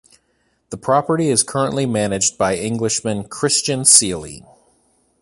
The property is currently managed by Englishman Christian Seely.